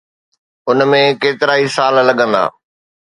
ان ۾ ڪيترائي سال لڳندا.